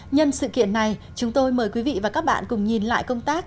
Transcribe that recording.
nhân sự kiện này chúng tôi mời quý vị và các bạn cùng nhìn lại công tác